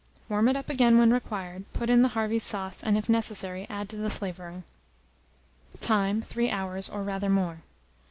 Warm it up again when required; put in the Harvey's sauce, and, if necessary, add to the flavouring. Time. 3 hours, or rather more.